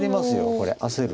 これ焦る。